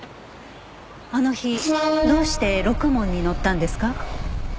あの日どうしてろくもんに乗ったんですか？